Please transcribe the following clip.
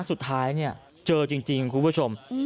สุดท้ายเจอจริงคุณผู้ชม